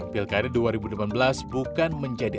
pilkada dua ribu delapan belas bukan menjadi